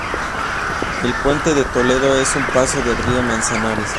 El puente de Toledo es un paso del río Manzanares.